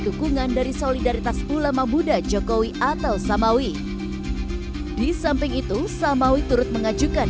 dukungan dari solidaritas ulama buddha jokowi atau samawi di samping itu samawi turut mengajukan